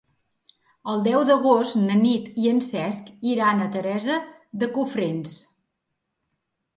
El deu d'agost na Nit i en Cesc iran a Teresa de Cofrents.